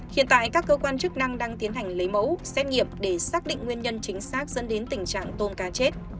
hiện tại các cơ quan chức năng đang tiến hành lấy mẫu xét nghiệm để xác định nguyên nhân chính xác dẫn đến tình trạng tôm cá chết